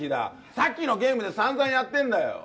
さっきのゲームでさんざんやってんだよ！